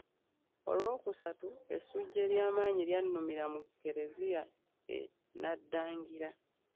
Olwokusatu essujja ery'amaanyi lyannumira mu Klezia e Naddangira.